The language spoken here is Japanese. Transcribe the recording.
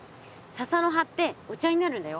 笹の葉ってお茶になるんだよ。